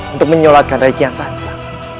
untuk menyolatkan rai kian santang